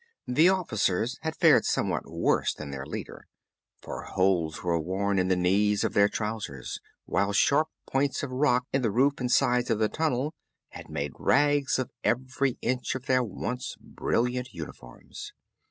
The officers had fared somewhat worse than their leader, for holes were worn in the knees of their trousers, while sharp points of rock in the roof and sides of the tunnel had made rags of every inch of their once brilliant uniforms.